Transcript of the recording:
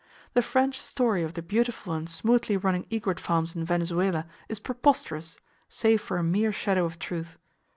The French story of the beautiful and smoothly running egret farms in Venezuela is preposterous, save for a mere shadow of truth.